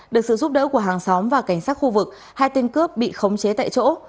được sự giúp đỡ của hàng xóm và cảnh sát khu vực hai tên cướp bị khống chế tại chỗ